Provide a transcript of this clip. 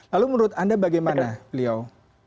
lalu menurut anda bagaimana beliau